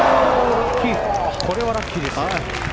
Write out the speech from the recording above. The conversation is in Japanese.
これはラッキーですね。